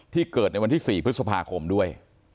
เกิดในวันที่๔พฤษภาคมด้วย